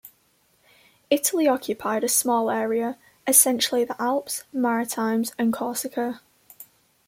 Italy occupied a small area, essentially the Alpes-Maritimes, and Corsica.